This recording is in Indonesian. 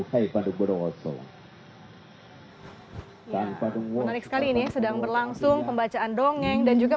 hai padung berosong hai tanpa dukungan sekali ini sedang berlangsung pembacaan dongeng dan juga